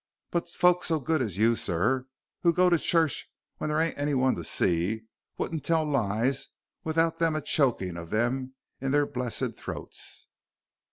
But folk so good as you, sir, who go to church when there ain't anyone to see, wouldn't tell lies without them a choking of them in their blessed throats."